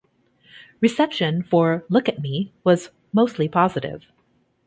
Reception for "Look at Me" was mostly positive.